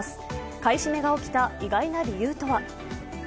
買い占めが起きた意外な理由とは。